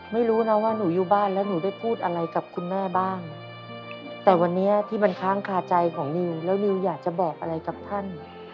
ไม่รู้นะว่าหนูอยู่บ้านแล้วหนูได้พูดอะไรกับคุณแม่บ้างแต่วันนี้ที่มันค้างคาใจของนิวแล้วนิวอยากจะบอกอะไรกับท่าน